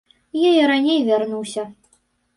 Я і раней вярнуся!